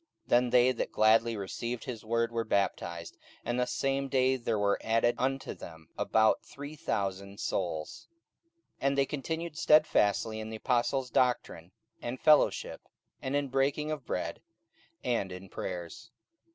44:002:041 Then they that gladly received his word were baptized: and the same day there were added unto them about three thousand souls. 44:002:042 And they continued stedfastly in the apostles' doctrine and fellowship, and in breaking of bread, and in prayers.